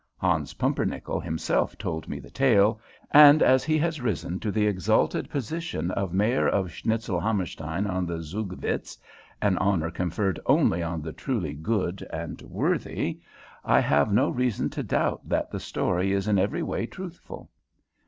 Hans Pumpernickel himself told me the tale, and as he has risen to the exalted position of Mayor of Schnitzelhammerstein on the Zugvitz, an honor conferred only on the truly good and worthy, I have no reason to doubt that the story is in every way truthful.